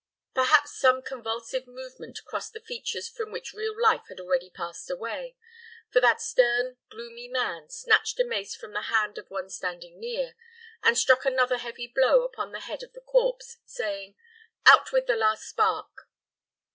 Perhaps some convulsive movement crossed the features from which real life had already passed away, for that stern, gloomy man snatched a mace from the hand of one standing near, and struck another heavy blow upon the head of the corpse, saying, "Out with the last spark!"